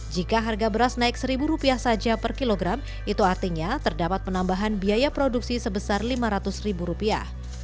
jika harga beras naik seribu rupiah saja per kilogram itu artinya terdapat penambahan biaya produksi sebesar lima ratus ribu rupiah